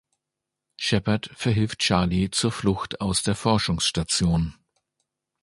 Shephard verhilft Charlie zur Flucht aus der Forschungsstation.